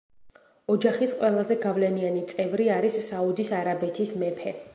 ოჯახის ყველაზე გავლენიანი წევრი არის საუდის არაბეთის მეფე.